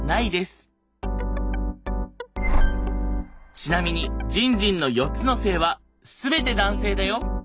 ちなみにじんじんの４つの性は全て男性だよ。